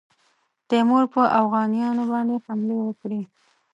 تیمور پر اوغانیانو باندي حملې وکړې.